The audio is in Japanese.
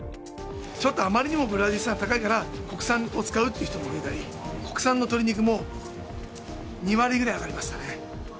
ちょっとあまりにもブラジル産が高いから、国産を使うっていう人もいたり、国産の鶏肉も２割ぐらい上がりま